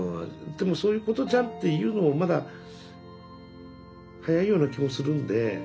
でも「そういうことじゃん」って言うのもまだ早いような気もするんで。